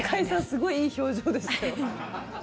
すごいいい表情でしたよ。